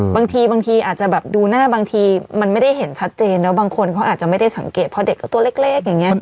บางทีบางทีอาจจะแบบดูหน้าบางทีมันไม่ได้เห็นชัดเจนแล้วบางคนเขาอาจจะไม่ได้สังเกตเพราะเด็กก็ตัวเล็กอย่างนี้